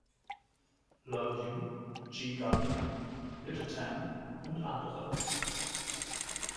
Love You“, „G Gundam“, „Pita-Ten“ und andere.